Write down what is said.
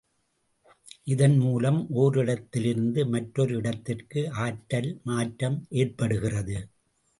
இதன் மூலம் ஓரிடத்திலிருந்து மற்றொரு இடத்திற்கு ஆற்றல் மாற்றம் ஏற்படுகிறது.